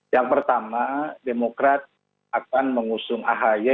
yang pertama demokrat akan mengusung ahy